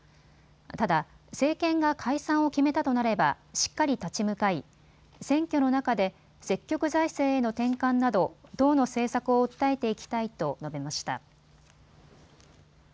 ただ政権が解散を決めたとなればしっかり立ち向かい選挙の中で積極財政への転換など党の政策を訴えていきたいと述べました。